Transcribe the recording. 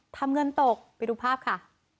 ทำเงินตกไปดูภาพค่ะ